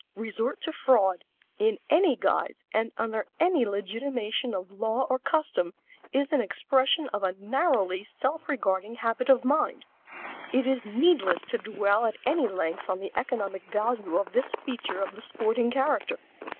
Resort to fraud, in any guise and under any legitimation of law or custom, is an expression of a narrowly self regarding habit of mind. It is needless to dwell at any length on the economic value of this feature of the sporting character.